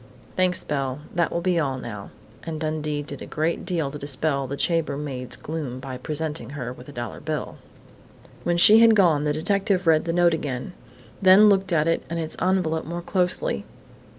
"Thanks, Belle. That will be all now," and Dundee did a great deal to dispel the chambermaid's gloom by presenting her with a dollar bill. When she had gone, the detective read the note again, then looked at it and its envelope more closely.